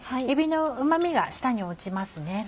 えびのうま味が下に落ちますね。